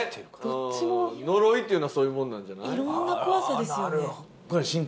うん呪いというのはそういうもんなんじゃない？